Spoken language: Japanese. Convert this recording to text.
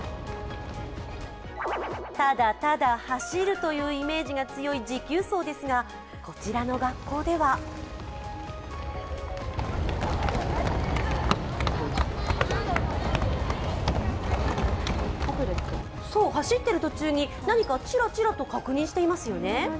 ただただ走るというイメージが強い持久走ですがこちらの学校ではそう走っている途中に何かちらちらと確認していますよね。